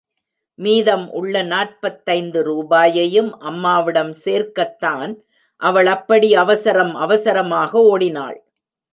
மீதம் உள்ள நாற்பத்தைந்து ரூபாயையும் அம்மாவிடம் சேர்க்கத்தான் அவள் அப்படி அவசரம் அவசரமாக ஒடினாள்.